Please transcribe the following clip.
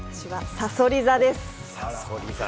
さそり座です。